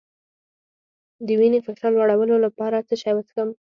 د وینې فشار لوړولو لپاره څه شی وڅښم؟